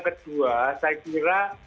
kedua saya kira